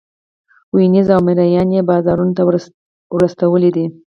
وینزې او مرییان یې بازارانو ته وروستلي دي.